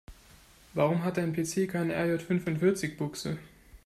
Warum hat dein PC keine RJ-fünfundvierzig-Buchse?